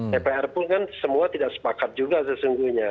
dpr pun kan semua tidak sepakat juga sesungguhnya